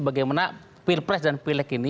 bagaimana ppr dan pilg ini